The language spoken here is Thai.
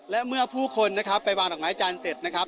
และเมื่อผู้คนไปวางหลักไม้จานเสร็จนะครับ